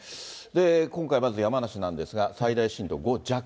今回まず、山梨なんですが、最大震度５弱。